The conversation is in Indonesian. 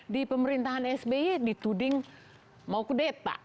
di pemerintahan sby dituding mau kudeta